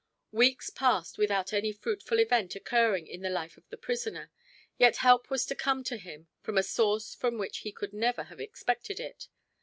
Weeks passed without any fruitful event occurring in the life of the prisoner, yet help was to come to him from a source from which he could never have expected it.